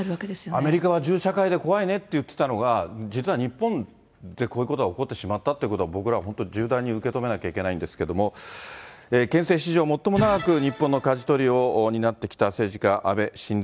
アメリカは銃社会で怖いねって言ってたのが、実は日本でこういうことが起こってしまったってことは、僕ら、本当に重大に受け止めなければいけないんですけれども、憲政史上最も長く日本のかじ取りを担ってきた政治家、安倍晋三。